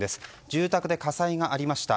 住宅で火災がありました。